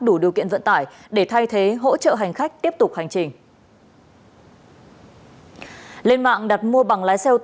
đủ điều kiện vận tải để thay thế hỗ trợ hành khách tiếp tục hành trình lên mạng đặt mua bằng lái xe